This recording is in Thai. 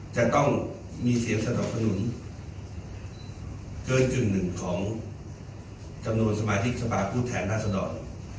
จะต้องมีเสียงสนับผนุนเกินจุดหนึ่งของจำนวนสมาธิกษบาคผู้แทนราศน์ดอล